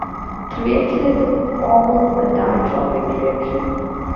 The reaction is a formal dyotropic reaction.